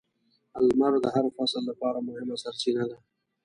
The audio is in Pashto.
• لمر د هر فصل لپاره مهمه سرچینه ده.